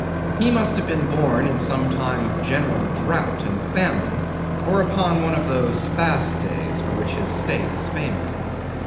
He must have been born in some time of general drought and famine, or upon one of those fast days for which his state is famous.